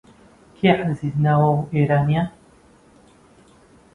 کێ عەزیز ناوە و ئێرانییە؟